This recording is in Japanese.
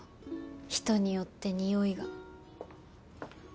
人によって匂いが。